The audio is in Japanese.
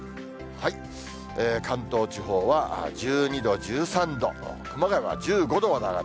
関東地方は１２度、１３度と、熊谷は１５度まで上がる。